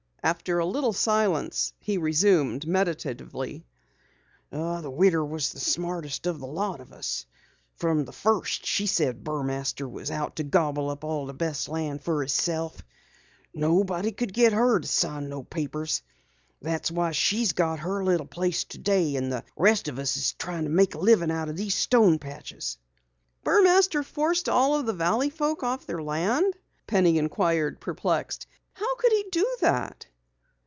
After a little silence, he resumed meditatively: "The Widder was the smartest o' the lot of us. From the first she said Burmaster was out to gobble up all the best land for hisself. Nobody could get her to sign no papers. That's why she's got her little place today and the rest of us is tryin' to make a livin' out o' these stone patches." "Burmaster forced all of the valley folk off their land?" Penny inquired, perplexed. "How could he do that?"